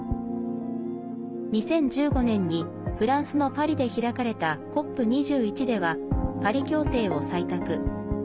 ２０１５年にフランスのパリで開かれたＣＯＰ２１ではパリ協定を採択。